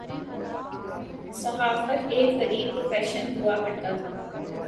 صحافت ایک غریب پروفیشن ہوا کرتاتھا۔